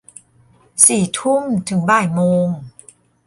สี่ทุ่ม ถึงบ่ายโมง